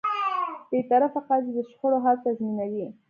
بېطرفه قاضی د شخړو حل تضمینوي.